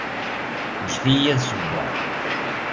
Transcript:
Ǧǧem-iyi ad d-ssewweɣ.